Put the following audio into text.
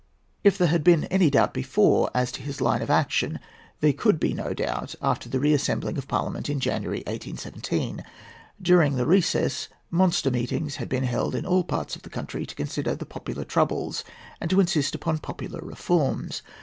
If there had been any doubt before as to his line of action, there could be no doubt after the re assembling of Parliament in January, 1817. During the recess, monster meetings had been held in all parts of the country to consider the popular troubles and to insist upon popular reforms.